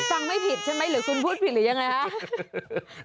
ฟังไม่ผิดใช่ไหมหรือคุณพูดผิดหรือยังไงคะ